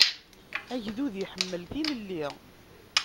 Agdud iḥemmel tilelli.